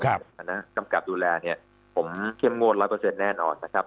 ขณะกำกับดูแลเนี่ยผมเข้มงวดร้อยเปอร์เซ็นต์แน่นออกนะครับ